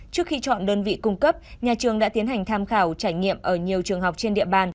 trước khi chọn đơn vị cung cấp nhà trường đã tiến hành tham khảo trải nghiệm ở nhiều trường học trên địa bàn